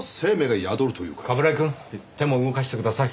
冠城くん手も動かしてください。